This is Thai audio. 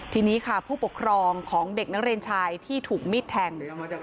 ทีนี้ค่ะผู้ปกครองของเด็กนักเรียนชายที่ถูกมีดแทง